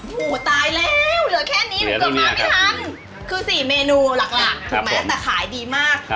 หมูตายแล้วเหลือแค่นี้หนูเกือบมาไม่ทันคือ๔เมนูหลักถูกไหมแต่ขายดีมาก